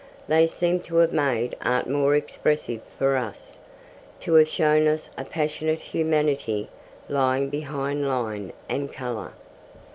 They seem to have made art more expressive for us, to have shown us a passionate humanity lying behind line and colour.